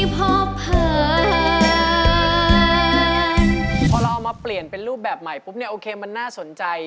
พอเราเอามาเปลี่ยนเป็นรูปแบบใหม่ปุ๊บเนี่ยโอเคมันน่าสนใจ